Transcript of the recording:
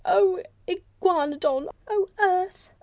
Oh, Iguanodon! oh, earth!